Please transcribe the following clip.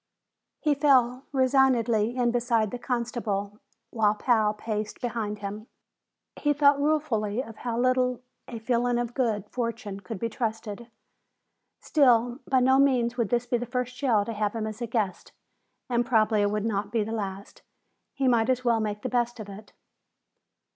He fell resignedly in beside the constable while Pal paced behind him. He thought ruefully of how little a feeling of good fortune could be trusted. Still, by no means would this be the first jail to have him as guest, and probably it would not be the last. He might as well make the best of it.